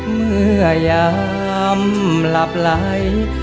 เมื่อยามหลับไหล